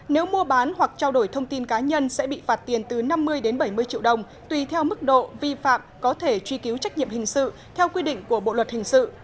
nếu mua bán hoặc trao đổi thông tin cá nhân sẽ bị phạt tiền từ năm mươi đến bảy mươi triệu đồng tùy theo mức độ vi phạm có thể truy cứu trách nhiệm hình sự theo quy định của bộ luật hình sự